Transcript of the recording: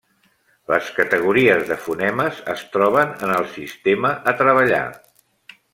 Les categories de fonemes es troben en el sistema a treballar.